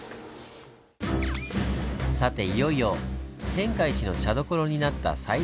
さていよいよ「天下一の茶どころ」になった最大の理由。